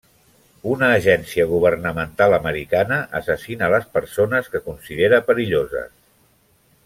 Una agència governamental americana assassina les persones que considera perilloses.